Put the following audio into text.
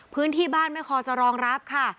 พื้นที่บ้านไม่พอจะรองรับค่ะ